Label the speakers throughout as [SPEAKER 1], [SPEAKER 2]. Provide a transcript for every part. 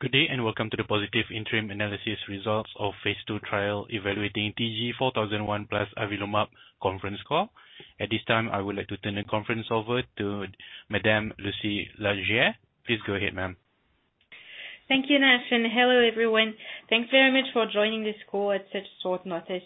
[SPEAKER 1] Good day, and welcome to the positive interim analysis results of phase II trial evaluating TG4001 plus avelumab conference call. At this time, I would like to turn the conference over to Madame Lucie Larguier. Please go ahead, ma'am.
[SPEAKER 2] Thank you, Nash, and hello, everyone. Thanks very much for joining this call at such short notice.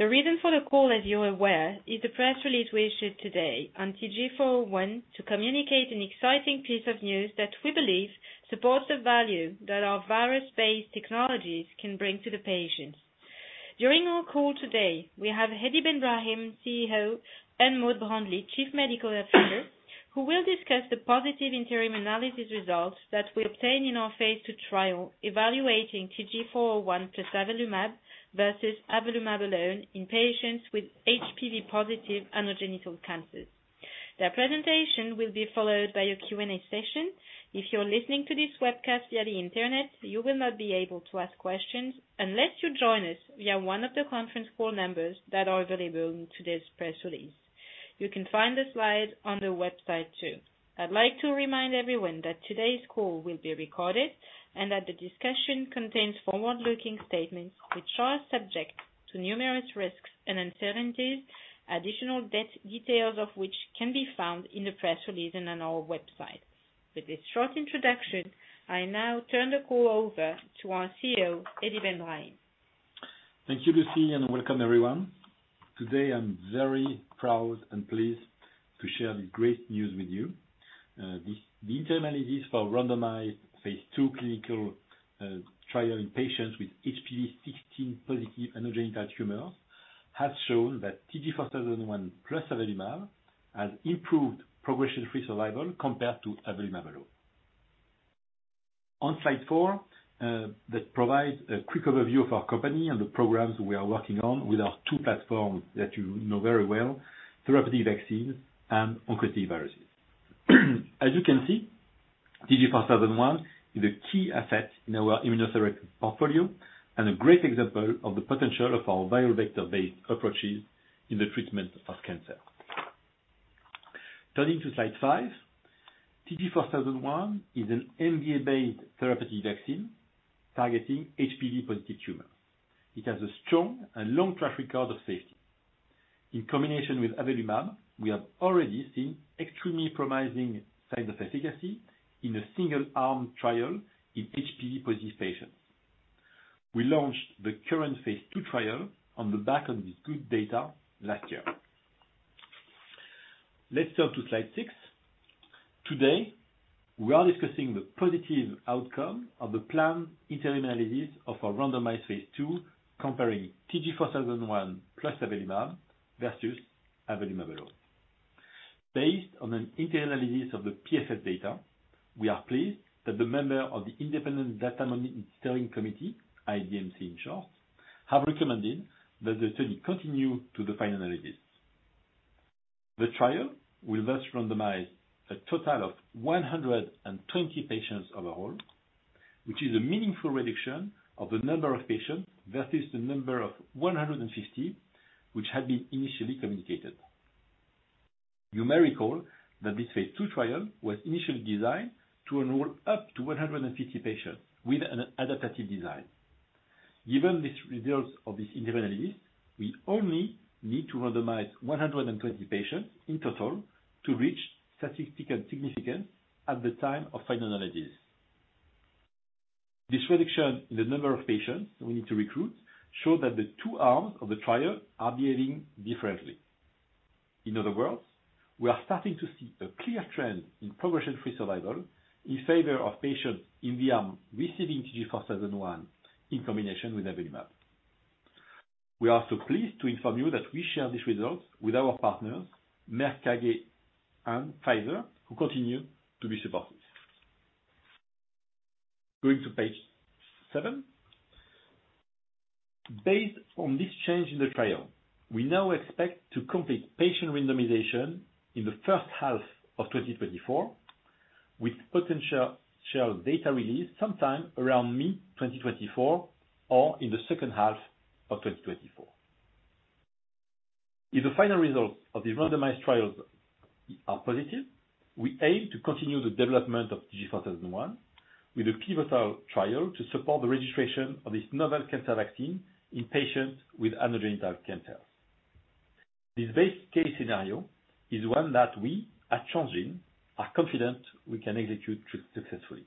[SPEAKER 2] The reason for the call, as you're aware, is the press release we issued today on TG4001 to communicate an exciting piece of news that we believe supports the value that our virus-based technologies can bring to the patients. During our call today, we have Hedi Ben Brahim, CEO, and Maud Brandely-Talbot, Chief Medical Officer, who will discuss the positive interim analysis results that we obtained in our phase II trial evaluating TG4001 plus avelumab versus avelumab alone in patients with HPV-positive anogenital cancers. Their presentation will be followed by a Q&A session. If you're listening to this webcast via the Internet, you will not be able to ask questions unless you join us via one of the conference call numbers that are available in today's press release. You can find the slides on the website too. I'd like to remind everyone that today's call will be recorded and that the discussion contains forward-looking statements which are subject to numerous risks and uncertainties, additional details of which can be found in the press release and on our website. With this short introduction, I now turn the call over to our CEO, Hedi Ben Brahim.
[SPEAKER 3] Thank you, Lucie, and welcome everyone. Today, I'm very proud and pleased to share this great news with you. The interim analysis for randomized phase II clinical trial in patients with HPV-16 positive anogenital tumors has shown that TG4001 plus avelumab has improved progression-free survival compared to avelumab alone. On slide 4, that provides a quick overview of our company and the programs we are working on with our two platforms that you know very well, therapeutic vaccine and oncolytic viruses. As you can see, TG4001 is a key asset in our immunotherapeutic portfolio and a great example of the potential of our viral vector-based approaches in the treatment of cancer. Turning to slide 5. TG4001 is an MVA-based therapeutic vaccine targeting HPV-positive tumors. It has a strong and long track record of safety. In combination with avelumab, we have already seen extremely promising signs of efficacy in a single-arm trial in HPV-positive patients. We launched the current phase II trial on the back of this good data last year. Let's turn to slide 6. Today, we are discussing the positive outcome of the planned interim analysis of our randomized phase II comparing TG4001 plus avelumab versus avelumab alone. Based on an interim analysis of the PFS data, we are pleased that the member of the Independent Data Monitoring Committee, IDMC in short, have recommended that the study continue to the final analysis. The trial will thus randomize a total of 120 patients overall, which is a meaningful reduction of the number of patients versus the number of 150, which had been initially communicated. You may recall that this phase II trial was initially designed to enroll up to 150 patients with an adaptive design. Given these results of this interim analysis, we only need to randomize 120 patients in total to reach statistical significance at the time of final analysis. This reduction in the number of patients we need to recruit show that the two arms of the trial are behaving differently. In other words, we are starting to see a clear trend in progression-free survival in favor of patients in the arm receiving TG4001 in combination with avelumab. We are also pleased to inform you that we share these results with our partners, Merck KGaA and Pfizer, who continue to be supportive. Going to page 7. Based on this change in the trial, we now expect to complete patient randomization in the first half of 2024, with potential shared data release sometime around mid-2024 or in the second half of 2024. If the final results of these randomized trials are positive, we aim to continue the development of TG4001 with a pivotal trial to support the registration of this novel cancer vaccine in patients with anogenital cancers. This base case scenario is one that we at Transgene are confident we can execute successfully.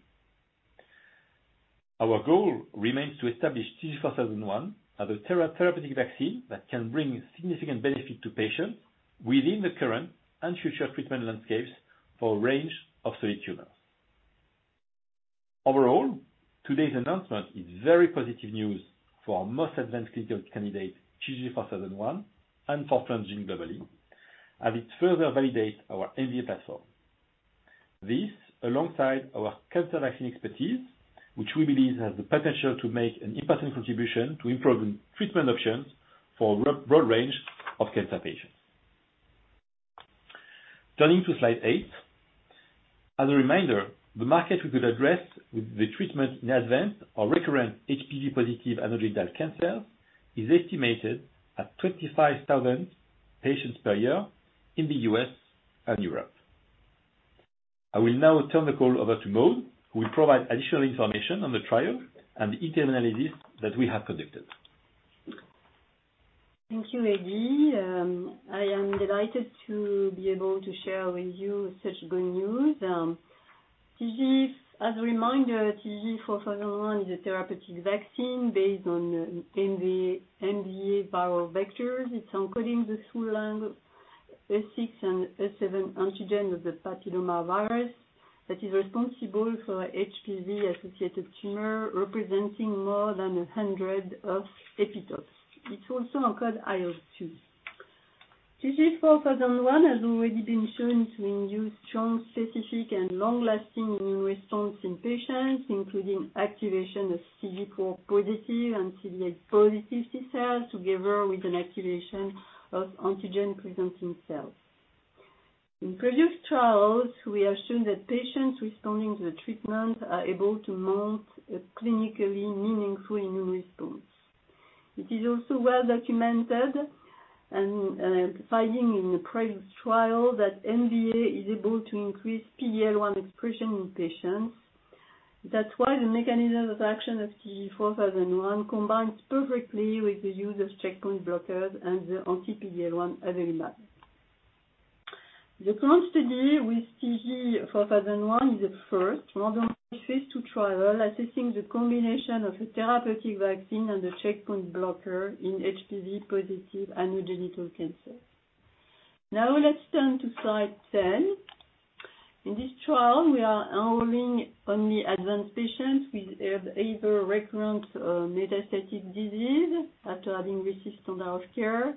[SPEAKER 3] Our goal remains to establish TG4001 as a therapeutic vaccine that can bring significant benefit to patients within the current and future treatment landscapes for a range of solid tumors. Overall, today's announcement is very positive news for our most advanced clinical candidate, TG4001, and for Transgene globally, as it further validates our MVA platform. This, alongside our cancer vaccine expertise, which we believe has the potential to make an important contribution to improving treatment options for a broad range of cancer patients. Turning to slide 8. As a reminder, the market we could address with the treatment in advanced or recurrent HPV-positive anogenital cancer is estimated at 25,000 patients per year in the U.S. and Europe. I will now turn the call over to Maud, who will provide additional information on the trial and the interim analysis that we have conducted.
[SPEAKER 4] Thank you, Hedi. I am delighted to be able to share with you such good news. TG, as a reminder, TG4001 is a therapeutic vaccine based on an MVA viral vectors. It's encoding the full length E6 and E7 antigen of the papillomavirus that is responsible for HPV associated tumor, representing more than 100 of epitopes. It's also called IL-2. TG4001 has already been shown to induce strong, specific and long-lasting immune response in patients, including activation of CD4 positive and CD8 positive T-cells, together with an activation of antigen-presenting cells. In previous trials, we have shown that patients responding to the treatment are able to mount a clinically meaningful immune response. It is also well documented and finding in the previous trial that MVA is able to increase PD-L1 expression in patients. That's why the mechanism of action of TG4001 combines perfectly with the use of checkpoint blockers and the anti-PD-L1 avelumab. The current study with TG4001 is the first randomized phase II trial assessing the combination of a therapeutic vaccine and a checkpoint blocker in HPV-positive anogenital cancers. Now let's turn to slide 10. In this trial we are enrolling only advanced patients with either recurrent or metastatic disease after having received standard care.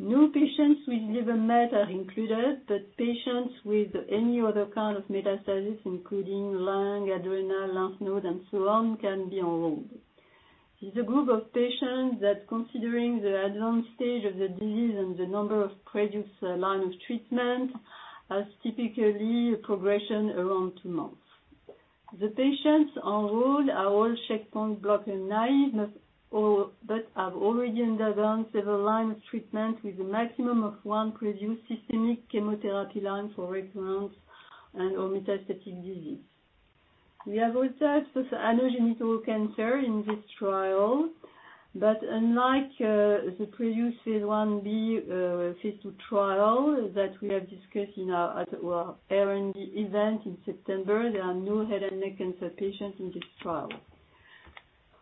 [SPEAKER 4] No patients with liver met are included, but patients with any other kind of metastasis, including lung, adrenal, lymph node and so on, can be enrolled. This is a group of patients that, considering the advanced stage of the disease and the number of previous line of treatment, has typically a progression around two months. The patients enrolled are all checkpoint blocker naive, but have already undergone several lines of treatment with a maximum of one previous systemic chemotherapy line for recurrent and/or metastatic disease. We have all types of anogenital cancer in this trial, but unlike the previous phase I-B/II trial that we have discussed at our R&D event in September, there are no head and neck cancer patients in this trial.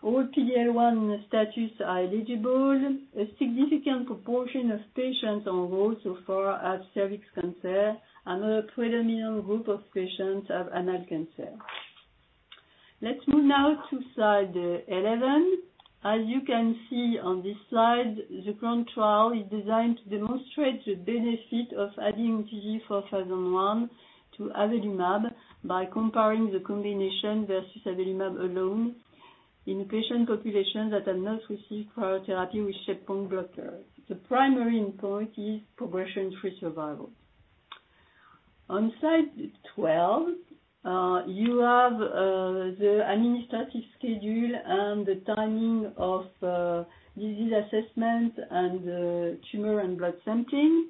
[SPEAKER 4] All PD-L1 status are eligible. A significant proportion of patients enrolled so far have cervix cancer. Another predominant group of patients have anal cancer. Let's move now to slide 11. As you can see on this slide, the current trial is designed to demonstrate the benefit of adding TG4001 to avelumab by comparing the combination versus avelumab alone in patient populations that have not received prior therapy with checkpoint blockers. The primary endpoint is progression-free survival. On slide 12, you have the administration schedule and the timing of disease assessment and tumor and blood sampling.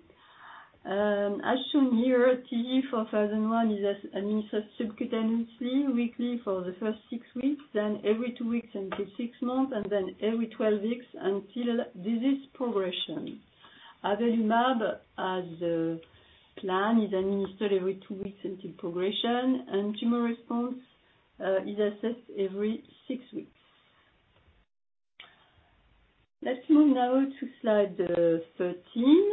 [SPEAKER 4] As shown here, TG4001 is administered subcutaneously weekly for the first six weeks, then every two weeks until six months, and then every 12 weeks until disease progression. Avelumab as planned is administered every two weeks until progression, and tumor response is assessed every six weeks. Let's move now to slide 13.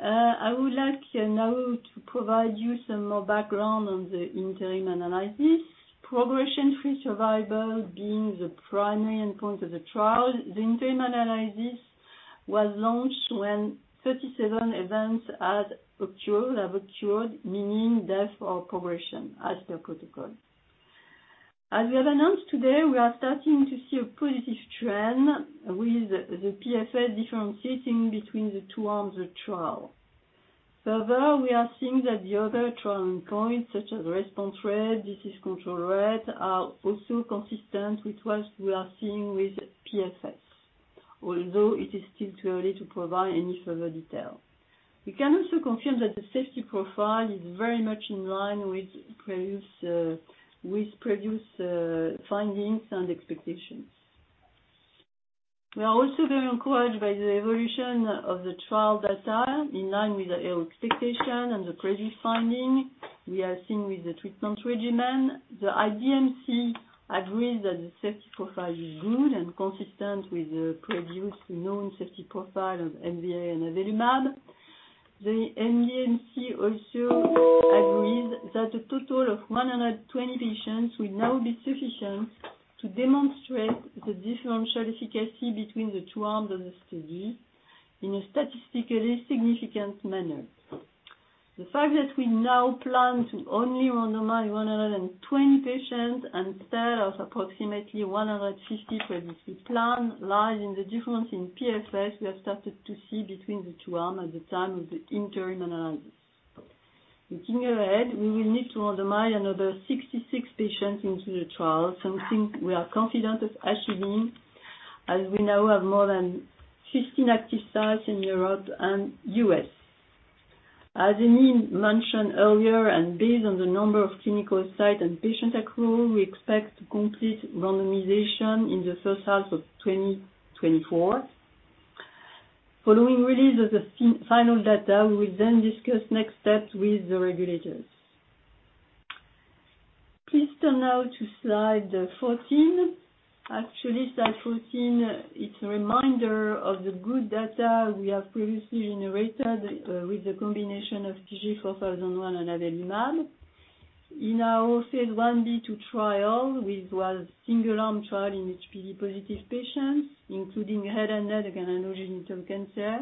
[SPEAKER 4] I would like now to provide you some more background on the interim analysis. Progression-free survival being the primary endpoint of the trial, the interim analysis was launched when 37 events have occurred, meaning death or progression as per protocol. As we have announced today, we are starting to see a positive trend with the PFS differentiating between the two arms of trial. Further, we are seeing that the other trial endpoints such as response rate, disease control rate are also consistent with what we are seeing with PFS, although it is still too early to provide any further detail. We can also confirm that the safety profile is very much in line with previous findings and expectations. We are also very encouraged by the evolution of the trial data in line with our expectation and the previous finding we have seen with the treatment regimen. The IDMC agrees that the safety profile is good and consistent with the previous known safety profile of MVA and avelumab. The IDMC also agrees that a total of 120 patients will now be sufficient to demonstrate the differential efficacy between the two arms of the study in a statistically significant manner. The fact that we now plan to only randomize 120 patients instead of approximately 150 previously planned lies in the difference in PFS we have started to see between the two arms at the time of the interim analysis. Looking ahead, we will need to randomize another 66 patients into the trial. Something we are confident of achieving, as we now have more than 15 active sites in Europe and U.S. As Hedi mentioned earlier, based on the number of clinical site and patient accrual, we expect to complete randomization in the first half of 2024. Following release of the final data, we will then discuss next steps with the regulators. Please turn now to slide 14. Actually, slide 14, it's a reminder of the good data we have previously generated with the combination of TG4001 and avelumab. In our phase I-B/II trial, which was single arm trial in HPV-positive patients, including head and neck and anogenital cancer.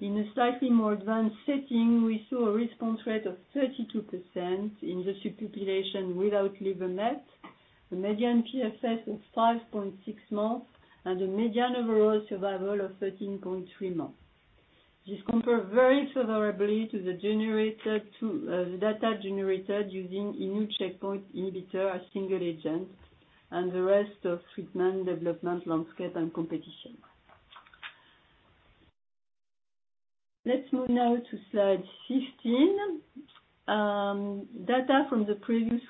[SPEAKER 4] In a slightly more advanced setting, we saw a response rate of 32% in the subpopulation without liver met, a median PFS of 5.6 months and a median overall survival of 13.3 months. This compares very favorably to the data generated using immune checkpoint inhibitor as single agent and the rest of treatment development landscape and competition. Let's move now to slide 15. Data from the previous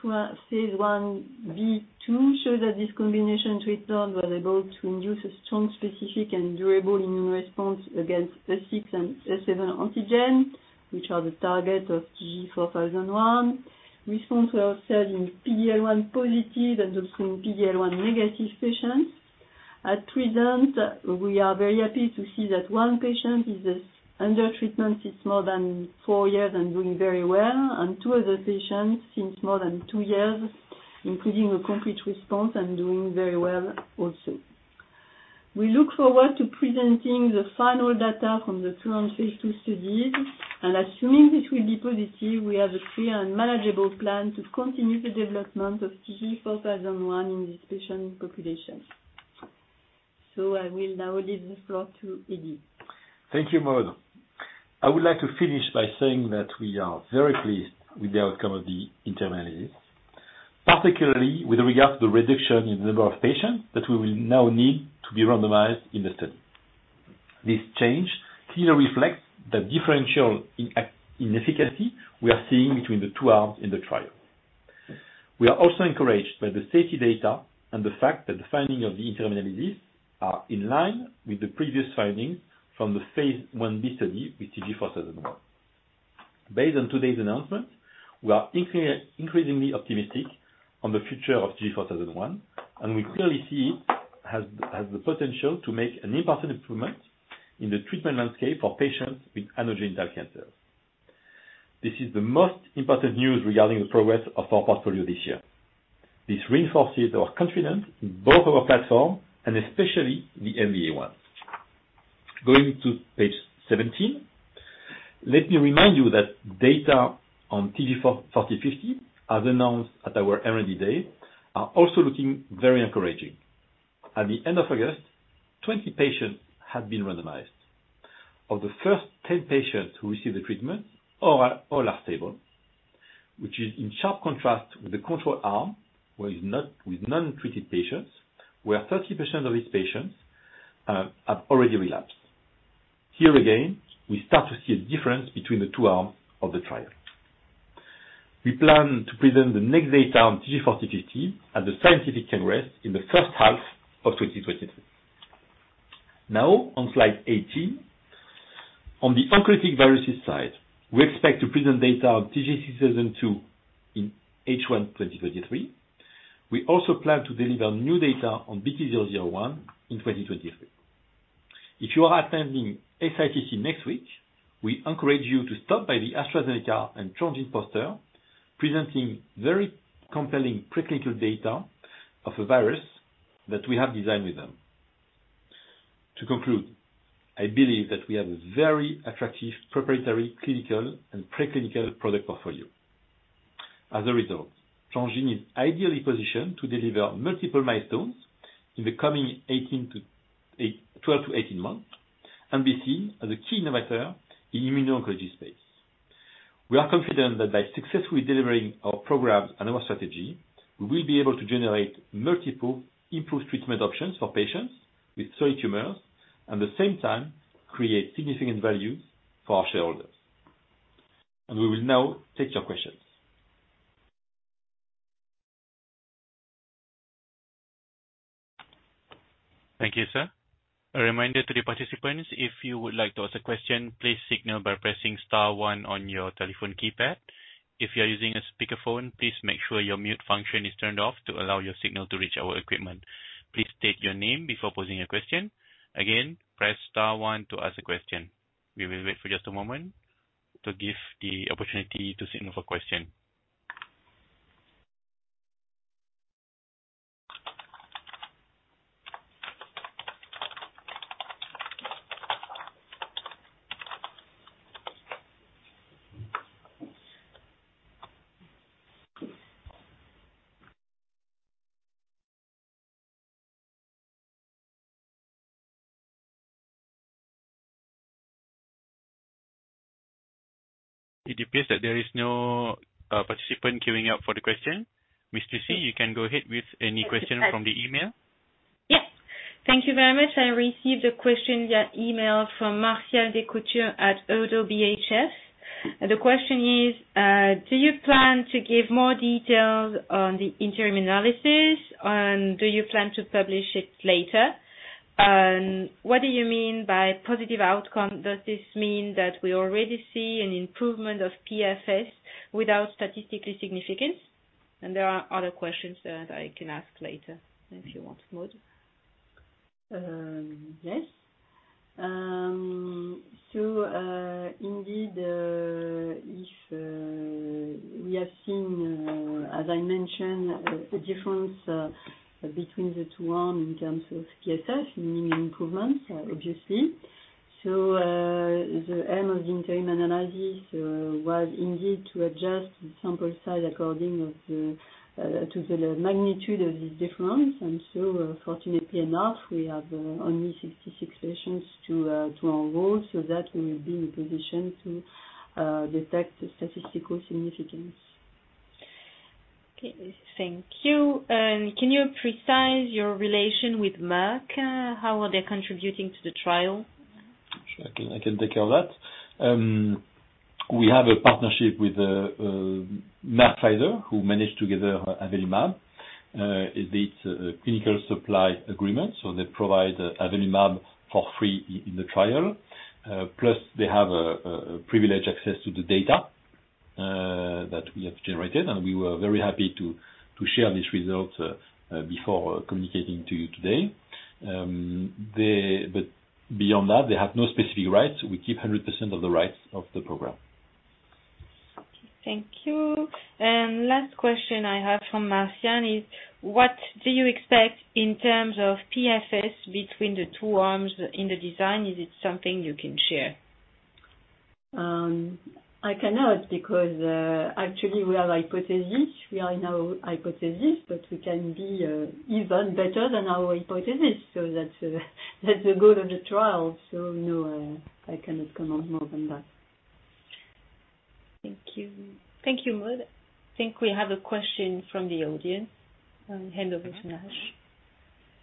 [SPEAKER 4] phase I-B/II show that this combination treatment was able to induce a strong, specific and durable immune response against the E6 and E7 antigen, which are the target of TG4001. Responses were observed in PD-L1 positive and also in PD-L1 negative patients. At present, we are very happy to see that one patient is under treatment since more than four years and doing very well. Two other patients since more than two years, including a complete response and doing very well also. We look forward to presenting the final data from the current phase II studies and assuming this will be positive, we have a clear and manageable plan to continue the development of TG4001 in this patient population. I will now give the floor to Hedi.
[SPEAKER 3] Thank you, Maud. I would like to finish by saying that we are very pleased with the outcome of the IDMC, particularly with regard to the reduction in the number of patients that we will now need to be randomized in the study. This change clearly reflects the differential in efficacy we are seeing between the two arms in the trial. We are also encouraged by the safety data and the fact that the findings of the IDMC are in line with the previous findings from the phase I-B study with TG4001. Based on today's announcement, we are increasingly optimistic on the future of TG4001, and we clearly see it has the potential to make an important improvement in the treatment landscape for patients with anogenital cancers. This is the most important news regarding the progress of our portfolio this year. This reinforces our confidence in both our platform and especially the MVA one. Going to page 17. Let me remind you that data on TG4050, as announced at our R&D day, are also looking very encouraging. At the end of August, 20 patients had been randomized. Of the first 10 patients who received the treatment, all are stable, which is in sharp contrast with the control arm, with non-treated patients, where 30% of these patients have already relapsed. Here again, we start to see a difference between the two arms of the trial. We plan to present the next data on TG4050 at the scientific congress in the first half of 2023. Now on slide 18. On the oncolytic viruses side, we expect to present data on TG6002 in H1 2023. We also plan to deliver new data on BT-001 in 2023. If you are attending SITC next week, we encourage you to stop by the AstraZeneca and Transgene poster presenting very compelling preclinical data of a virus that we have designed with them. To conclude, I believe that we have a very attractive proprietary, clinical and preclinical product portfolio. As a result, Transgene is ideally positioned to deliver multiple milestones in the coming 12-18 months and be seen as a key innovator in immuno-oncology space. We are confident that by successfully delivering our programs and our strategy, we will be able to generate multiple improved treatment options for patients with solid tumors. At the same time, create significant value for our shareholders. We will now take your questions.
[SPEAKER 1] Thank you, sir. A reminder to the participants, if you would like to ask a question, please signal by pressing star one on your telephone keypad. If you are using a speakerphone, please make sure your mute function is turned off to allow your signal to reach our equipment. Please state your name before posing a question. Again, press star one to ask a question. We will wait for just a moment to give the opportunity to signal for question. It appears that there is no participant queuing up for the question. Ms. Lucie, you can go ahead with any question from the email.
[SPEAKER 2] Yes. Thank you very much. I received a question via email from Martial Descoutures at ODDO BHF. The question is, "Do you plan to give more details on the interim analysis and do you plan to publish it later? What do you mean by positive outcome? Does this mean that we already see an improvement of PFS without statistically significance?" There are other questions that I can ask later if you want, Maud.
[SPEAKER 4] Yes. Indeed, if we have seen, as I mentioned, a difference between the two arms in terms of PFS, meaning improvements, obviously. The aim of the interim analysis was indeed to adjust the sample size according to the magnitude of this difference. Fortunately enough, we have only 66 patients to enroll, so that we will be in position to detect statistical significance.
[SPEAKER 2] Okay, thank you. "Can you precise your relation with Merck KGaA? How are they contributing to the trial?"
[SPEAKER 3] Sure, I can take care of that. We have a partnership with Merck KGaA and Pfizer, who manage together avelumab. It's a clinical supply agreement, so they provide avelumab for free in the trial. Plus, they have privileged access to the data that we have generated, and we were very happy to share this result before communicating to you today. Beyond that, they have no specific rights. We keep 100% of the rights of the program.
[SPEAKER 2] Thank you. Last question I have from Martial is, "What do you expect in terms of PFS between the two arms in the design? Is it something you can share?"
[SPEAKER 4] I cannot because actually we have hypothesis. We are now hypothesis, but we can be even better than our hypothesis. That's the goal of the trial. No, I cannot comment more than that.
[SPEAKER 2] Thank you. Thank you, Maud. I think we have a question from the audience. Hand over to Nash.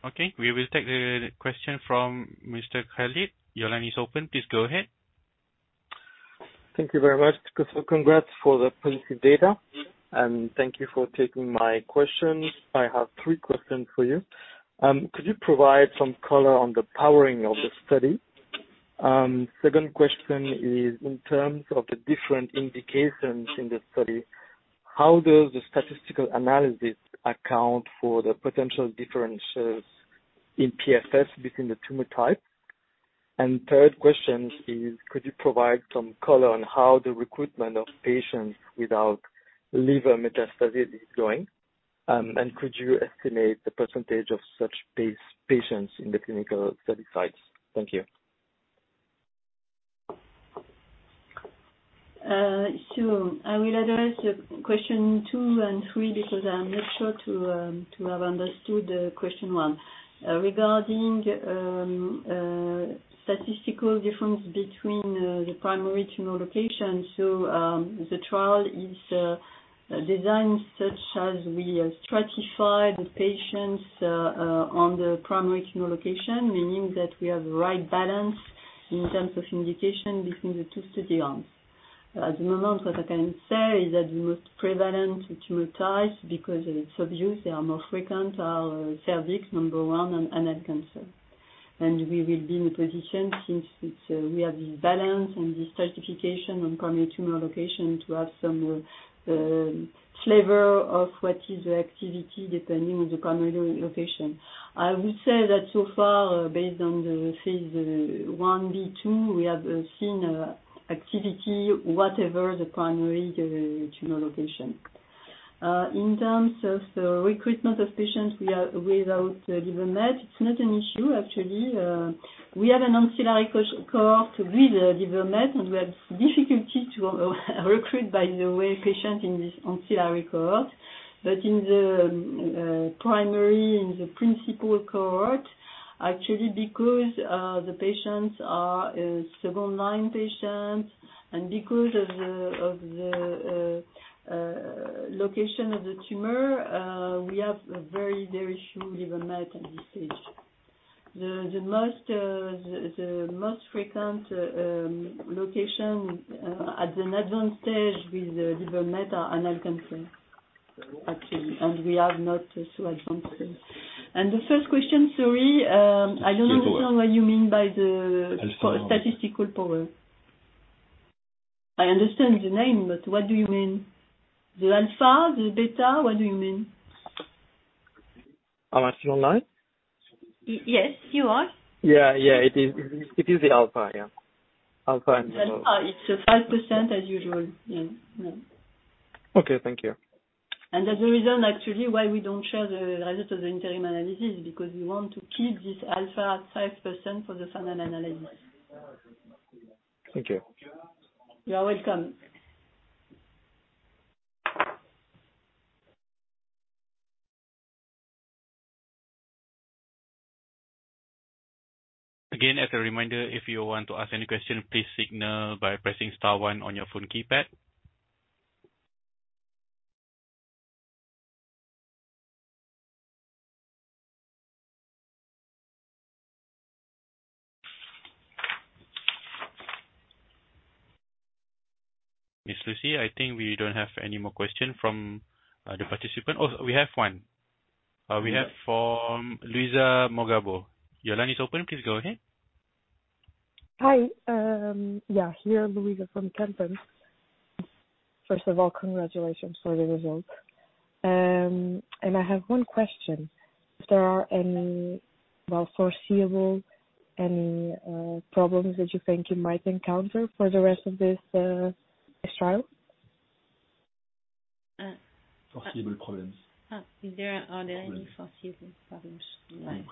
[SPEAKER 1] Okay. We will take the question from Mr. Khalid. Your line is open. Please go ahead.
[SPEAKER 5] Thank you very much. Congrats for the positive data, and thank you for taking my questions. I have three questions for you. Could you provide some color on the powering of the study? Second question is, in terms of the different indications in the study, how does the statistical analysis account for the potential differences in PFS between the tumor types? Third question is, could you provide some color on how the recruitment of patients without liver metastasis is going? And could you estimate the percentage of such base patients in the clinical study sites? Thank you.
[SPEAKER 4] I will address the question two and three because I'm not sure to have understood the question one. Regarding statistical difference between the primary tumor location. The trial is designed such as we have stratified the patients on the primary tumor location, meaning that we have the right balance in terms of indication between the two study arms. At the moment, what I can say is that the most prevalent tumor types, because of its prevalence, they are more frequent, are cervix number one and anal cancer. We will be in a position since we have this balance and this stratification on primary tumor location to have some flavor of what is the activity depending on the primary location. I will say that so far, based on the phase I-B/II, we have seen activity whatever the primary tumor location. In terms of recruitment of patients, we are without liver met; it's not an issue actually. We have an ancillary cohort with liver met, and we have difficulty to recruit, by the way, patients in this ancillary cohort. In the primary, in the principal cohort, actually, because the patients are second line patients and because of the location of the tumor, we have very few liver met at this stage. The most frequent location at an advanced stage with liver met are anal cancer actually, and we have not so advanced. The first question, sorry, I don't understand what you mean by the statistical power. I understand the name, but what do you mean? The alpha, the beta? What do you mean?
[SPEAKER 5] Am I still on line?
[SPEAKER 4] Yes, you are.
[SPEAKER 5] Yeah. It is the alpha, yeah. Alpha and beta.
[SPEAKER 4] The alpha. It's 5% as usual. Yeah.
[SPEAKER 5] Okay. Thank you.
[SPEAKER 4] That's the reason actually why we don't share the result of the interim analysis because we want to keep this alpha at 5% for the final analysis.
[SPEAKER 5] Thank you.
[SPEAKER 4] You are welcome.
[SPEAKER 1] Again, as a reminder, if you want to ask any question, please signal by pressing star one on your phone keypad. Ms. Lucie, I think we don't have any more questions from the participant. Oh, we have one. We have from Luisa Morgado. Your line is open. Please go ahead.
[SPEAKER 6] Hi. Yeah, here Luisa from Kempen. First of all, congratulations for the results. I have one question. If there are any, well, foreseeable problems that you think you might encounter for the rest of this trial?
[SPEAKER 3] Foreseeable problems.
[SPEAKER 2] Are there any foreseeable problems you might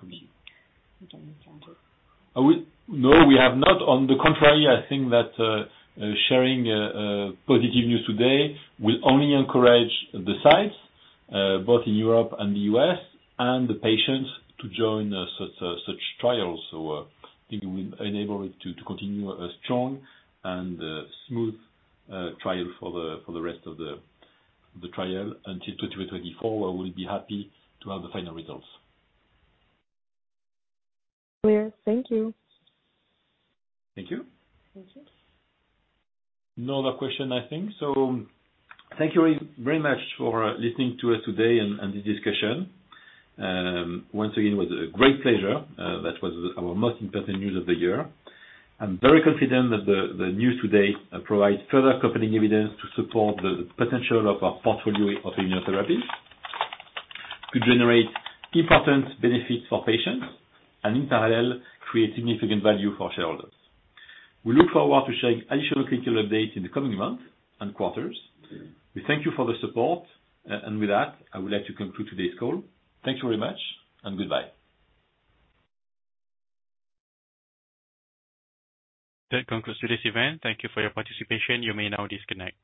[SPEAKER 2] encounter?
[SPEAKER 3] No, we have not. On the contrary, I think that sharing positive news today will only encourage the sites both in Europe and the U.S., and the patients to join such trials. I think it will enable it to continue a strong and smooth trial for the rest of the trial until 2024, where we'll be happy to have the final results.
[SPEAKER 6] Clear. Thank you.
[SPEAKER 3] Thank you.
[SPEAKER 2] Thank you.
[SPEAKER 3] No other question, I think. Thank you very much for listening to us today and the discussion. Once again, it was a great pleasure. That was our most important news of the year. I'm very confident that the news today provides further accompanying evidence to support the potential of our portfolio immunotherapy to generate important benefits for patients and, in parallel, create significant value for shareholders. We look forward to sharing additional clinical updates in the coming months and quarters. We thank you for the support. With that, I would like to conclude today's call. Thank you very much, and goodbye.
[SPEAKER 1] That concludes today's event. Thank you for your participation. You may now disconnect.